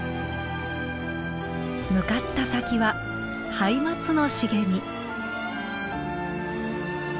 向かった先はハイマツの茂み。